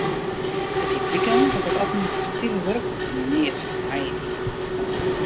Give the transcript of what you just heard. It die bliken dat dat administrative wurk neat foar my wie.